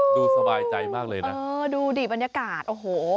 ฮู้วดูสบายใจมากเลยนะโอ้โฮดูดีบบรรยากาศโอ้โฮ